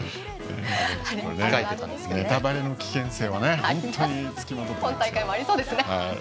ネタバレの危険性はね今大会もありそうですね。